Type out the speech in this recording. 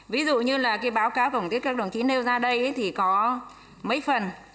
ví dụ như là cái báo cáo của các đồng chí nêu ra đây thì có mấy phần